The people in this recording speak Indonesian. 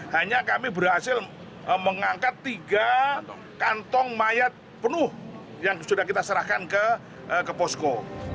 hanya kami berhasil mengangkat tiga kantong mayat penuh yang sudah kita serahkan ke posko